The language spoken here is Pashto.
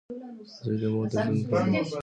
• زوی د مور د ژوند ګل وي.